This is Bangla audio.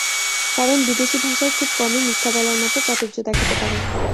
কারণ, বিদেশি ভাষায় খুব কমই মিথ্যা বলার মতো চাতুর্য দেখাতে পারে।